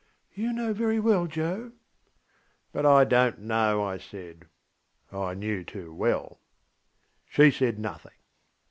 ŌĆÖ ŌĆśYou know very well, Joe.ŌĆÖ ŌĆśBut I donŌĆÖt know, ŌĆÖ I said. I knew too well. She said nothing.